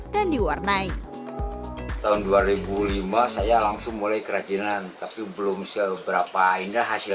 dan diwarnai tahun dua ribu lima saya langsung mulai kerajinan tapi belum seberapa indah hasil